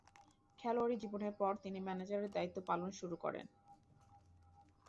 খেলোয়াড়ী জীবনের পর তিনি ম্যানেজারের দায়িত্ব পালন শুরু করেন।